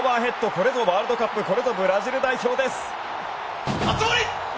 これぞワールドカップこれぞブラジル代表です。